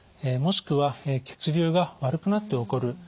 もしくは血流が悪くなって起こる